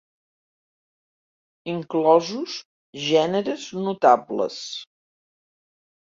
Inclosos gèneres notables.